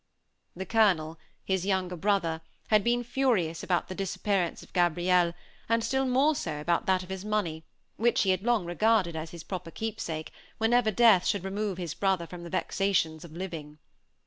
The Colonel, his younger brother, had been furious about the disappearance of Gabriel, and still more so about that of his money, which he had long regarded as his proper keepsake, whenever death should remove his brother from the vexations of living.